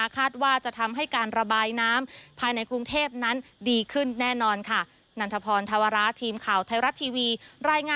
คาดว่าจะทำให้การระบายน้ำภายในกรุงเทพนั้นดีขึ้นแน่นอนค่ะ